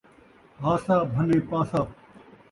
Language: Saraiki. ہاسا ، بھنّے پاسا